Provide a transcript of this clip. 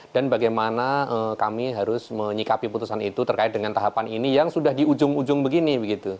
bagaimana kami harus menyikapi putusan itu terkait dengan tahapan ini yang sudah di ujung ujung begini